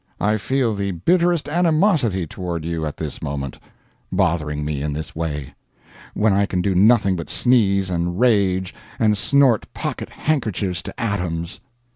I feel the bitterest animosity toward you at this moment bothering me in this way, when I can do nothing but sneeze and rage and snort pocket handkerchiefs to atoms.